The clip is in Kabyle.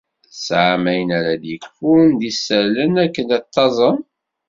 Tesεam ayen ara d-yekfun d isallen akken ad taẓem?